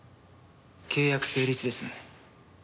契約成立ですね。